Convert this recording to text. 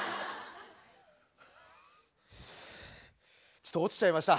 ちょっと落ちちゃいました。